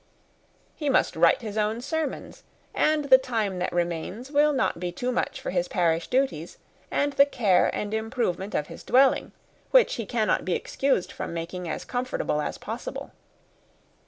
He must write his own sermons; and the time that remains will not be too much for his parish duties, and the care and improvement of his dwelling, which he cannot be excused from making as comfortable as possible.